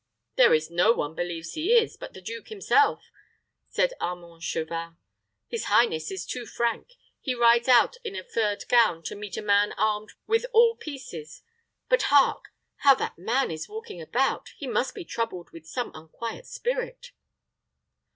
"There is no one believes he is, but the duke himself," said Armand Chauvin. "His highness is too frank. He rides out in a furred gown to meet a man armed with all pieces. But hark! how that man is walking about! He must be troubled with some unquiet spirit."